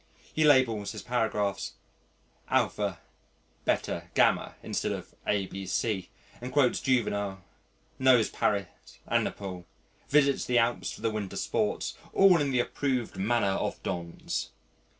He labels his paragraphs α, β, γ, instead of a, b, c, and quotes Juvenal, knows Paris and Naples, visits the Alps for the winter sports, all in the approved manner of dons.